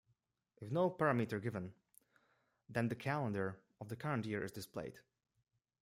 If no parameter is given, then the calendar of the current year is displayed.